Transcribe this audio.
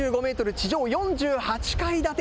地上４８階建て。